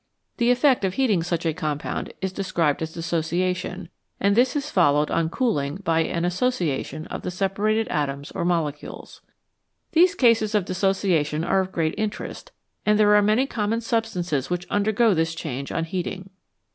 The effect of heating such a compound is described as " dissociation," and this is followed on cooling by an " association " of the separated atoms or molecules. 194 HIGH TEMPERATURES These cases of dissociation are of great interest, and there are many common substances which undergo this change on heating.